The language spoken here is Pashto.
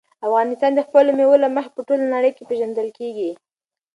افغانستان د خپلو مېوو له مخې په ټوله نړۍ کې پېژندل کېږي.